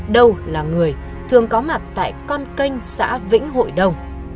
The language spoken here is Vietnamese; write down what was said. đâu là người thường có mặt tại con kênh xã vĩnh hội đồng